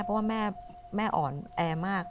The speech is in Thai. เพราะว่าแม่อ่อนแอมาก